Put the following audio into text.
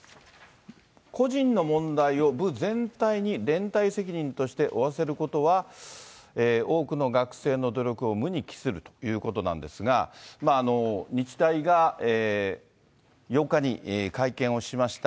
個人の問題を部全体に連帯責任として負わせることは、多くの学生の努力を無に帰するということなんですが、日大が８日に会見をしました。